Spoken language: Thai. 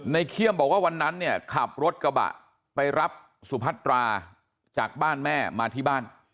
เขี้ยมบอกว่าวันนั้นเนี่ยขับรถกระบะไปรับสุพัตราจากบ้านแม่มาที่บ้าน